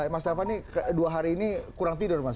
mas elvan ini dua hari ini kurang tidur mas